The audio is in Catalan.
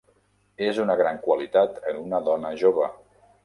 És una gran qualitat en una dona jove.